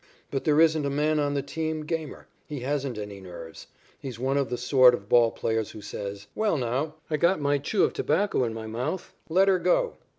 But there isn't a man on the team gamer. He hasn't any nerves. He's one of the sort of ball players who says: "Well, now I've got my chew of tobacco in my mouth. Let her go."